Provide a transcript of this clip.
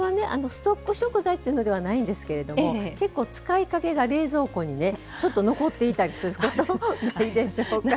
ストック食材っていうのではないんですけど結構、使いかけが冷蔵庫にちょっと残っていたりすることないでしょうか。